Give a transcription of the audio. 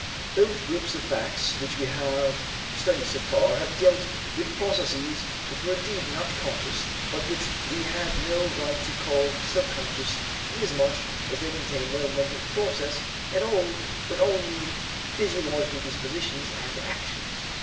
Both groups of facts which we have studied so far, have dealt with processes which were indeed not conscious but which we had no right to call subconscious inasmuch as they contained no mental process at all but only physiological dispositions and actions.